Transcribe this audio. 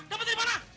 dapet dari mana